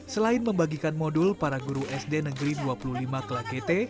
selain membagikan modul para guru sd negeri dua puluh lima kelakete